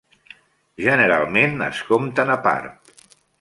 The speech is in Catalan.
Generalment, es compten a part.